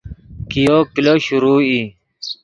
کئیو کلو شروع ای